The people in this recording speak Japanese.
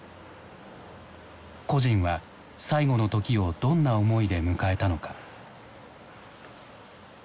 「故人は最期の時をどんな思いで迎えたのか」。